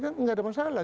nggak ada masalah